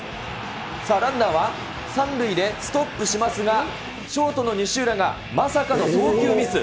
さあ、ランナーは、３塁でストップしますが、ショートの西浦がまさかの送球ミス。